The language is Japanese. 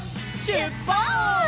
しゅっぱつ！